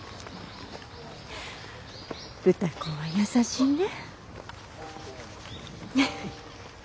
歌子は優しいね。